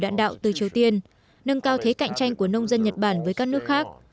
đạn đạo từ triều tiên nâng cao thế cạnh tranh của nông dân nhật bản với các nước khác